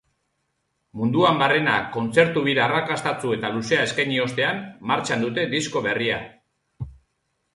Munduan barrena kontzertu-bira arrakastatsu eta luzea eskaini ostean, martxan dute disko berria.